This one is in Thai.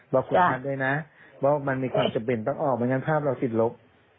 บอกคุณค่ะด้วยนะเพราะมันมีความจบเปลี่ยนปั๊กออกไม่งั้นภาพเราติดลบ